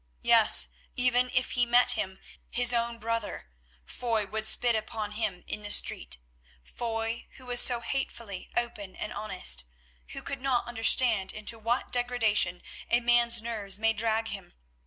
Yes if ever he met him—his own brother—Foy would spit upon him in the street; Foy, who was so hatefully open and honest, who could not understand into what degradation a man's nerves may drag him.